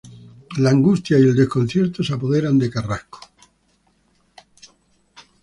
La angustia y el desconcierto se apoderan de Carrasco.